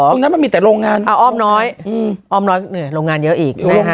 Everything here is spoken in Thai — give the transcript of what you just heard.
ตรงนั้นมันมีแต่โรงงานอ้อมน้อยโรงงานเยอะอีกนะฮะ